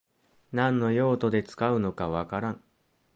何の用途で使うのかわからん